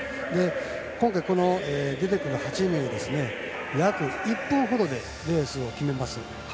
今回、出てくる８名は約１分ほどでレースを決めます。